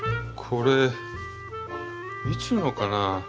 これいつのかな。